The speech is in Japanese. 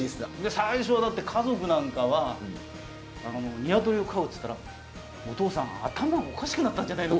最初はだって家族なんかは鶏を飼うっつったら「お父さん頭おかしくなったんじゃないの？」